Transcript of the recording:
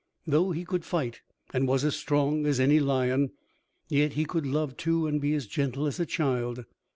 Though he could fight, and was as strong as any lion, yet he could love too and be as gentle as a child.